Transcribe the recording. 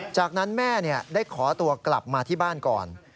จากนั้นแม่ได้ขอตัวกลับมาที่บ้านก่อน